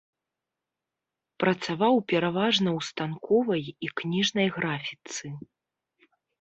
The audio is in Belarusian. Працаваў пераважна ў станковай і кніжнай графіцы.